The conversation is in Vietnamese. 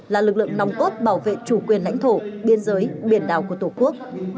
là lực lượng nòng cốt bảo vệ chủ quyền lãnh thổ biên giới biển đảo của tổ quốc